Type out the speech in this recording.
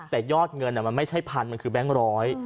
แต่ยอดเงินมันไม่ใช่พันมันคือแบงค์ร้อย